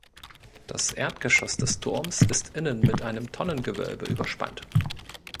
Das Erdgeschoss des Turms ist innen mit einem Tonnengewölbe überspannt.